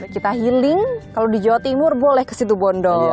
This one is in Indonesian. kita healing kalau di jawa timur boleh ke situ bondo